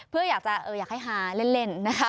เพื่ออยากจะอยากให้ฮาเล่นนะคะ